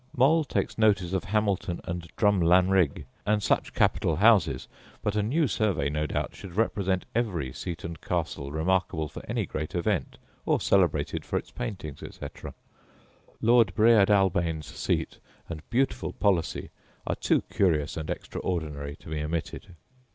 Mall takes notice of Hamilton and Drumlanrig, and such capital houses; but a new survey, no doubt, should represent every seat and castle remarkable for any great event, or celebrated for its paintings, etc. Lord Breadalbane's seat and beautiful policy are too curious and extraordinary to be omitted.